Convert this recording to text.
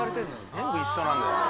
全部一緒なんだよな